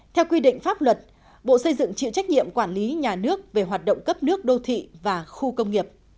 theo quy định pháp luật bộ xây dựng chịu trách nhiệm quản lý nhà nước về hoạt động cấp nước đô thị và khu công nghiệp